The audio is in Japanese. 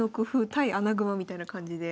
対穴熊みたいな感じで。